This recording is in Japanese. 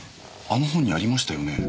あの本にありましたよね？